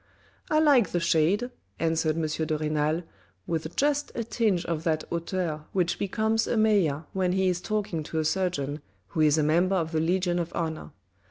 " I like the shade," answered M. de Renal, with just a tinge of that hauteur which becomes a mayor when he is talking to a surgeon, who is a member of the Legion of Honour.